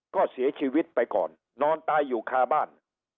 ก็เสียชีวิตไปก่อนนอนตายอยู่คาบ้าน